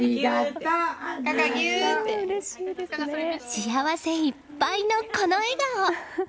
幸せいっぱいの、この笑顔！